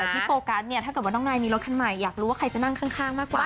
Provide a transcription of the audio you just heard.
ที่โฟกัสเนี่ยถ้าเกิดว่าน้องนายมีรถคันใหม่อยากรู้ว่าใครจะนั่งข้างมากกว่า